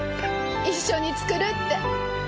一緒に作るって。